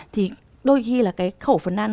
thì đôi khi là cái khẩu phấn ăn